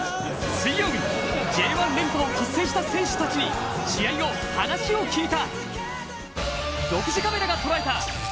水曜日、Ｊ１連覇を達成した選手たちに試合後、話を聞いた。